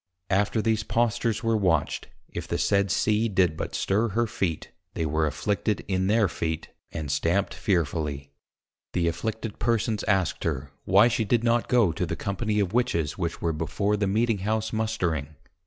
After these Postures were watched, if the said C. did but stir her Feet, they were afflicted in their Feet, and stamped fearfully. The afflicted Persons asked her, why she did not go to the Company of Witches which were before the Meeting House Mustering?